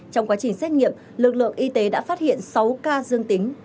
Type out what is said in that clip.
trong quá trình xét nghiệm lực lượng y tế đã phát hiện sáu ca dương tính